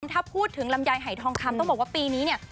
ถ้าพูดถึงลำไยหายทองคำต้องบอกว่าปีนี้เนี่ย